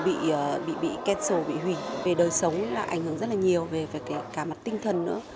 bị két sầu bị hủy về đời sống là ảnh hưởng rất là nhiều về cả mặt tinh thần nữa